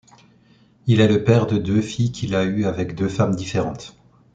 Il est le père de deux filles qu'il a eu avec deux femmes différentes.